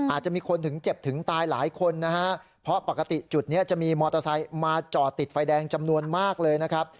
อาจจะมีคนถึงเจ็บถึงตายหลายคนนะฮะเพราะปกติจุดนี้จะมีมอเตอร์ไซค์มาจอดติดไฟแดงจำนวนมากเลยนะครับ